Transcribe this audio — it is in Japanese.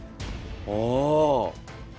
ああ！